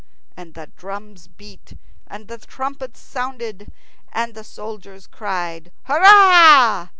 And the drums beat and the trumpets sounded, and the soldiers cried "Hurrah!"